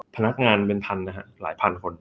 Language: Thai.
พนักงานเป็นพันนะฮะหลายพันคน